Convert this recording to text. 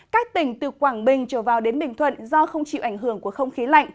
các tỉnh từ quảng bình trở vào đến bình thuận do không chịu ảnh hưởng của không khí lạnh